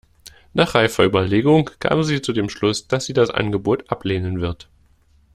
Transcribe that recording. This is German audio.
Nach reifer Überlegung kam sie zu dem Schluss, dass sie das Angebot ablehnen wird.